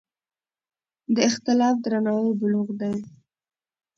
د اختلاف درناوی بلوغ دی